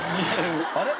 あれ？